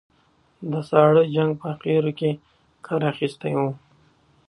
د ساړه جنګ په اخرو کې کار اخیستی و.